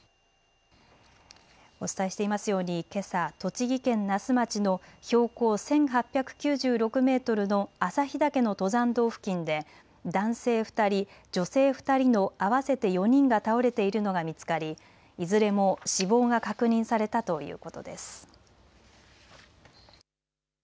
お伝えしていますようにけさ栃木県那須町の標高１８９６メートルの朝日岳の登山道付近で男性２人、女性２人の合わせて４人が倒れているのが見つかりいずれも死亡が確認されたということです。